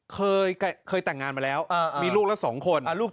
เคยแต่งงานมาแล้วมีลูกละ๒คน